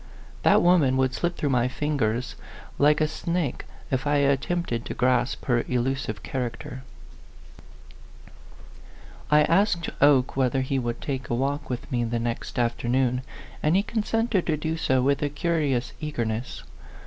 That woman would slip through my fingers like 118 A PHANTOM LOVER\ a snake if I attempted to grasp her elusive character. I asked Oke whether he would take a walk with me the next afternoon, and he consented to do so with a curious eagerness.